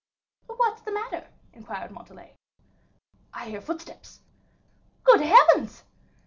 "What's the matter?" inquired Montalais. "I hear footsteps." "Good heavens!"